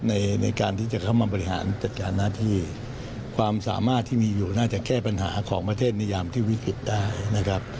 ในการที่จะเข้ามาบริหารจัดการหน้าที่ความสามารถที่มีอยู่น่าจะแก้ปัญหาของประเทศนิยามที่วิกฤตได้นะครับ